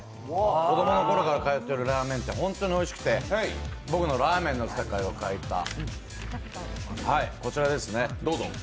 子供のころから通ってるラーメン店で本当においしくて僕のラーメンの世界を変えたこちらですね。